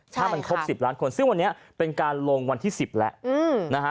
ถ้ามันครบ๑๐ล้านคนซึ่งวันนี้เป็นการลงวันที่๑๐แล้วนะฮะ